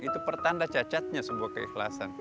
itu pertanda cacatnya sebuah keikhlasan